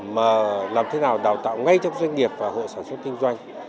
mà làm thế nào đào tạo ngay trong doanh nghiệp và hộ sản xuất kinh doanh